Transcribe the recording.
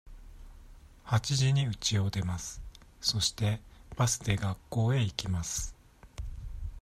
八時にうちを出ます。そして、バスで学校へ行きます。